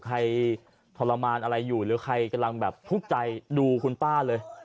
ใครทรมานอะไรอยู่ใครกำลังทุกใจดูคุณป้าเลย